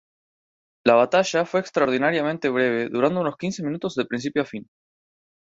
La batalla fue extraordinariamente breve, durando unos quince minutos de principio a fin.